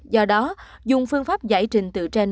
do đó dùng phương pháp giải trình tự gen